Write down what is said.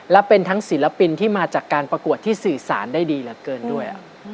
และเป็นทั้งศิลปินที่มาจากการประกวดที่สื่อสารได้ดีเหลือเกินด้วย